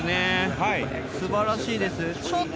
素晴らしいです。